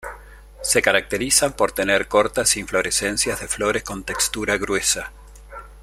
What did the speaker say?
Se caracterizan por tener cortas inflorescencias de flores con textura gruesa.